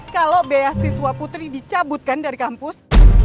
kalau beasiswa putri dicabutkan dari kampus